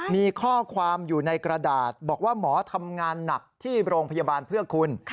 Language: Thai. มีข้อความอยู่ในกระดาษบอกว่าหมอทำงานหนักที่โรงพยาบาลเพื่อคุณ